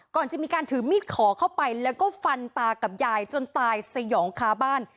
ก่อนจะมีการถือมีดขอเข้าไปแล้วก็ฟันตากับยายจนตายสยองค้าบ้าน